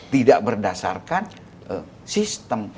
tidak berdasarkan sistem